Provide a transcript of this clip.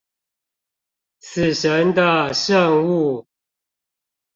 死神的聖物